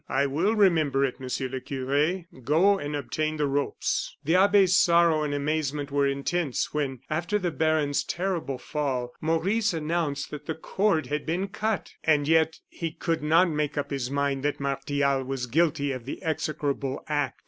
"I will remember it, Monsieur le Cure. Go and obtain the ropes." The abbe's sorrow and amazement were intense, when, after the baron's terrible fall, Maurice announced that the cord had been cut. And yet he could not make up his mind that Martial was guilty of the execrable act.